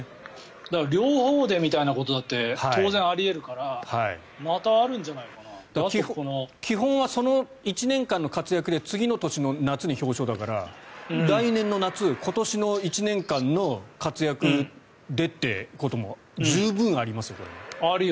だから両方でみたいなことだって当然、あり得るから基本はその１年間の活躍で次の年の夏に表彰だから来年の夏今年の１年間の活躍でっていうことも十分ありますよ、これ。